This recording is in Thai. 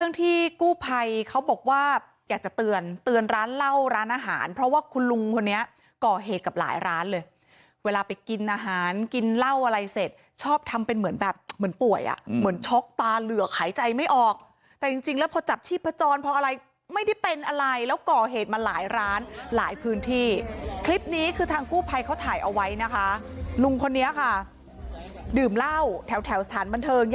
เรื่องที่กู้ไพเขาบอกว่าอยากจะเตือนเตือนร้านเหล้าร้านอาหารเพราะว่าคุณลุงคนนี้ก่อเหตุกับหลายร้านเลยเวลาไปกินอาหารกินเหล้าอะไรเสร็จชอบทำเป็นเหมือนแบบเหมือนป่วยอ่ะเหมือนช็อกตาเหลือกหายใจไม่ออกแต่จริงแล้วพอจับชีพจรเพราะอะไรไม่ได้เป็นอะไรแล้วก่อเหตุมาหลายร้านหลายพื้นที่คลิปนี้คือทางกู้ไพเขาถ่ายเอาไว้